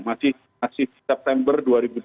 masih september dua ribu dua puluh tiga